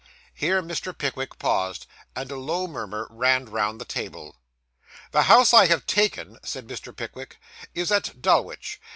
Here Mr. Pickwick paused, and a low murmur ran round the table. 'The house I have taken,' said Mr. Pickwick, 'is at Dulwich.